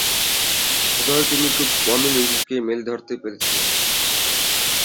এবারও তিনি খুব কমই নিজেকে মেলে ধরতে পেরেছিলেন।